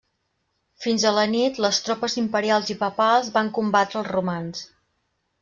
Fins a la nit les tropes imperials i papals van combatre els romans.